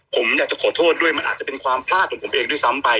ผมอยากจะขอโทษด้วยมันอาจจะเป็นความพลาดของผมเองด้วยซ้ำไป